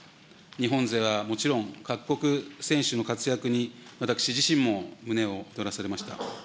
日本勢はもちろん、各国選手の活躍に私自身も胸を躍らされました。